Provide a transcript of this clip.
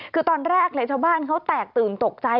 คือตอนแรกเลยชาวบ้านเขาแตกตื่นตกใจ